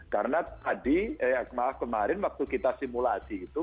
karena tadi maaf kemarin waktu kita simulasi gitu